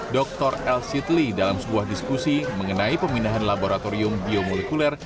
dr el sidley dalam sebuah diskusi mengenai pemindahan laboratorium biomolekuler